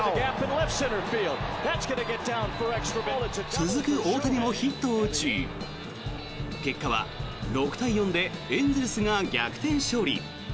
続く大谷もヒットを打ち、結果は６対４でエンゼルスが逆転勝利。